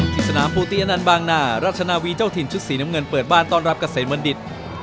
ที่สนามภูติอันนันบางนารัชนาวีเจ้าถิ่นชุดสีน้ำเงินเปิดบ้านต้อนรับเกษตรเมือนดิต